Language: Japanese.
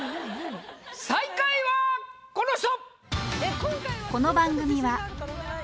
最下位はこの人！